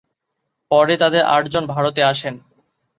পরে তাদের আটজন ভারতে আসেন।